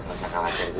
gak usah khawatir